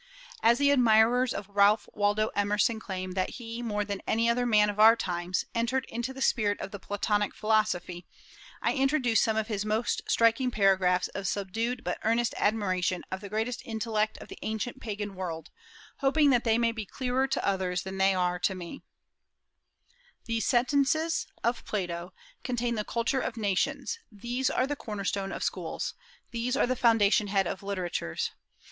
As the admirers of Ralph Waldo Emerson claim that he, more than any other man of our times, entered into the spirit of the Platonic philosophy, I introduce some of his most striking paragraphs of subdued but earnest admiration of the greatest intellect of the ancient Pagan world, hoping that they may be clearer to others than they are to me: These sentences [of Plato] contain the culture of nations; these are the corner stone of schools; these are the fountain head of literatures.